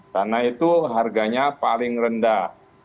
karena itu harganya paling rendah